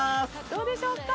どうでしょうか？